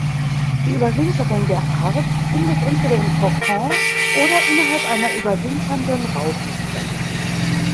Die Überwinterung der Art findet entweder im Kokon oder innerhalb einer überwinternden Raupe statt.